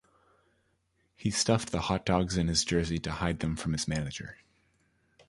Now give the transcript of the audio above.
He stuffed the hot dogs in his jersey to hide them from his manager.